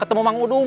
ketemu mang udung